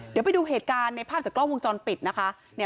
เดี๋ยวไปดูเหตุการณ์จากเกล้าวงจอนปิดนะคะ